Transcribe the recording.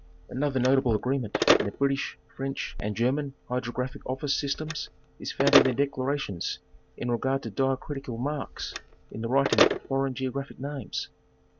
Another notable agreement in the British, French and German Hydrographic Office systems is found in their declarations in regard to diacritical marks in the writing of foreign geographic names.